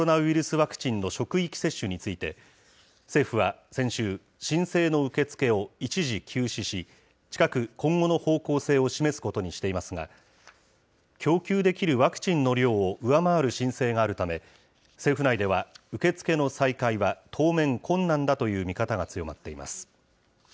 ワクチンの職域接種について、政府は、先週、申請の受け付けを一時休止し、近く、今後の方向性を示すことにしていますが、供給できるワクチンの量を上回る申請があるため、政府内では、受け付けの再開は当面、困難だという見方が強まっています。